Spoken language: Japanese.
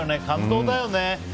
感動だよね。